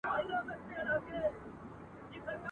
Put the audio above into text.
په نامه یې جوړېدلای معبدونه ..